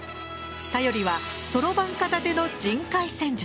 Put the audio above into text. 頼りはソロバン片手の人海戦術。